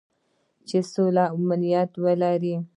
چې سوله او امنیت ولري.